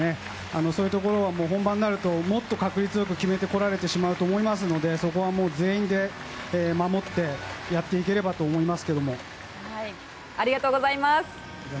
そういうところは本番になるともっと確率よく決めてこられてしまうと思いますのでそこは全員で守ってやっていければと思います。